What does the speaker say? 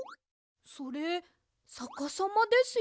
それさかさまですよ。